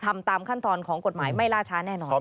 ทำตามขั้นตอนของกฎหมายไม่ล่าช้าแน่นอน